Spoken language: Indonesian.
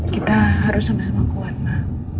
kita harus sama sama kuat lah